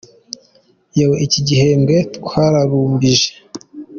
Yewe! iki gihembwe twararumbije.